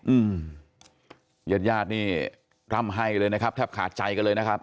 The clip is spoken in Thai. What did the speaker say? อืมญาติญาตินี่ร่ำให้เลยนะครับแทบขาดใจกันเลยนะครับ